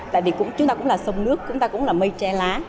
tại vì chúng ta cũng là sông nước chúng ta cũng là mây tre lá